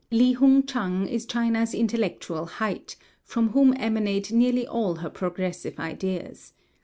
Li Hung Chang is China's intellectual height, from whom emanate nearly all her progressive ideas.